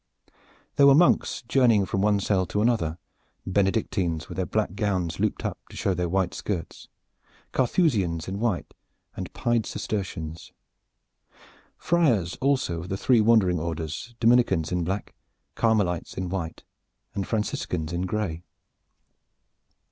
There were monks journeying from one cell to another, Benedictines with their black gowns looped up to show their white skirts, Carthusians in white, and pied Cistercians. Friars also of the three wandering orders Dominicans in black, Carmelites in white and Franciscans in gray.